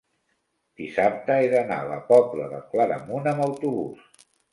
dissabte he d'anar a la Pobla de Claramunt amb autobús.